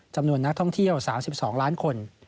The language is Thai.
จำนวนนักท่องเที่ยว๓๒ล้านคน